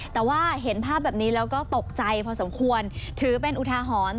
แต่ว่าเห็นภาพแบบนี้แล้วก็ตกใจพอสมควรถือเป็นอุทาหรณ์